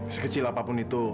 sekecil apapun itu